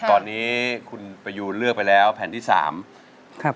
ใช้หรือไม่ใช้ครับ